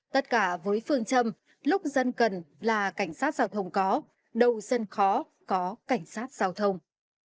tất cả với phương châm lúc dân cần là cảnh sát giao thông có đâu dân khó có cảnh sát giao thông